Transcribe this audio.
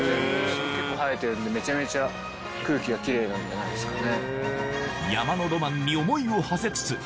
結構生えてるんでめちゃめちゃ空気がキレイなんじゃないすかね。